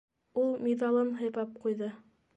- Ул миҙалын һыйпап ҡуйҙы.